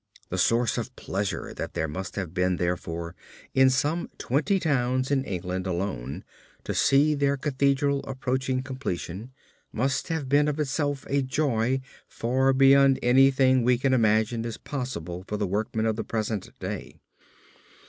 The source of pleasure that there must have been therefore, in some twenty towns in England alone, to see their Cathedral approaching completion, must have been of itself a joy far beyond anything we can imagine as possible for the workmen of the present day.